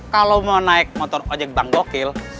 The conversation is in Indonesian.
kalau mau naik motor ojek bank gokil